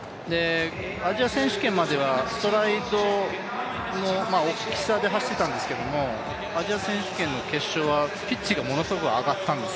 アジア選手権まではストライドの大きさで走っていたんですけども、アジア選手権の決勝はピッチがものすごく上がったんです。